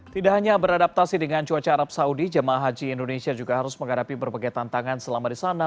tidak hanya beradaptasi dengan cuaca arab saudi jemaah haji indonesia juga harus menghadapi berbagai tantangan selama di sana